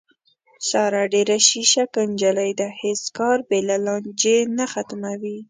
ساره ډېره شیشکه نجیلۍ ده، هېڅ کار بې له لانجې نه ختموي.